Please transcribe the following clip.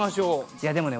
いやでもね